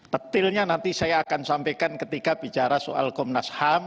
detailnya nanti saya akan sampaikan ketika bicara soal komnas ham